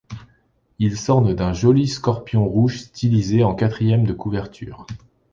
Ils s’ornent d’un joli scorpion rouge stylisé en quatrième de couverture.